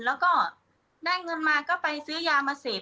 แล้วก็ได้เงินมาก็ไปซื้อยามาเสพ